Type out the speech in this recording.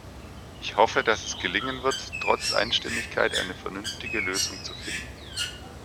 Ich hoffe, dass es gelingen wird, trotz Einstimmigkeit eine vernünftige Lösung zu finden.